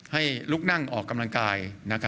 ให้ลุกนั่งออกกำลังกาย